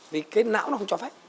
vì cái não nó không cho phép